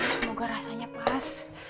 semoga rasanya pas